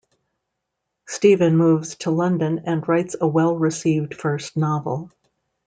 Stephen moves to London and writes a well-received first novel.